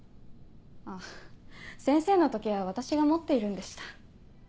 あっ先生の時計は私が持っているんでした。